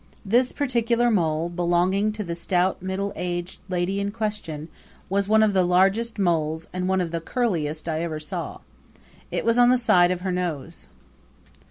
This particular mole belonging to the stout middle aged lady in question was one of the largest moles and one of the curliest I ever saw. It was on the side of her nose.